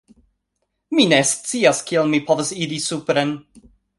Mi ne scias kiel mi povas iri supren